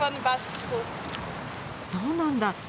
そうなんだ。